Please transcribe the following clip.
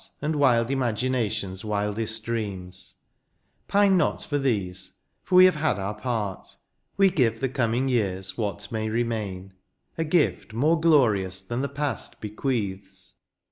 And wild imagination's wildest dreams ; Pine not for these, for we have had our part ; We give the coming years what may remain, — A gift more glorious than the past bequeaths.